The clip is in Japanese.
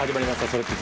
「それって！？